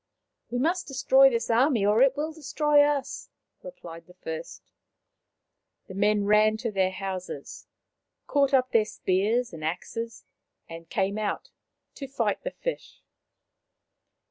" We must destroy this army or it will destroy us," replied the first. The men ran to their houses, caught up their spears and axes, and came out to fight the fish.